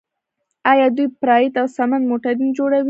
آیا دوی پراید او سمند موټرې نه جوړوي؟